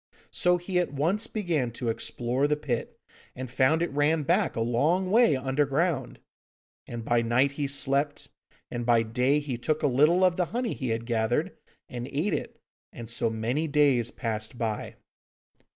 So he at once began to explore the pit and found it ran back a long way underground. And by night he slept, and by day he took a little of the honey he had gathered and ate it; and so many days passed by.